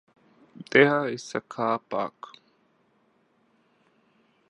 There is a car park.